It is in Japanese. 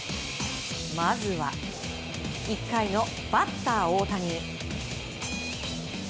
まずは１回のバッター大谷。